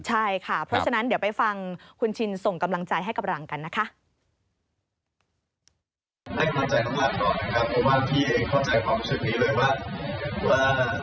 ใช่ค่ะเพราะฉะนั้นเดี๋ยวไปฟังคุณชินส่งกำลังใจให้กำลังกันนะคะ